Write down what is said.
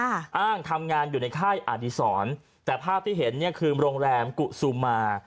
อ้างทำงานอยู่ในค่ายอดีศรแต่ภาพที่เห็นเนี่ยคือโรงแรมกุซูมา